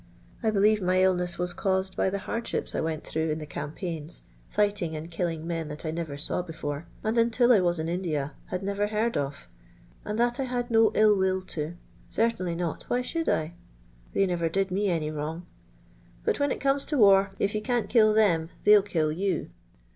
I hclieve my illneH was caused by r^e hardships I went through in the campaigns, fight ing and killing men that I never saw before, and until I WAS in India had never heard of, and that I had no ill will to ; eertainly not, why shonM 1 1 they never did me any wrong. But when it comes to war, if you can't kill them they '11 kill you.